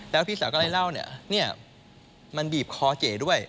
แล้วพี่สาวก็เลยเล่าเนี่ยมันบีบคอเก๋ด้วย